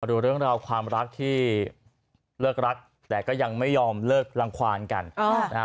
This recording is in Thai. ดูเรื่องราวความรักที่เลิกรักแต่ก็ยังไม่ยอมเลิกรังความกัน